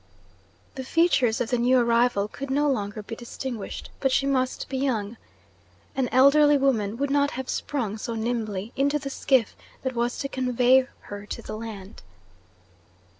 The features of the new arrival could no longer be distinguished; but she must be young. An elderly woman would not have sprung so nimbly into the skiff that was to convey her to the land.